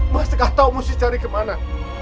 mas gak tau mesti cari kemana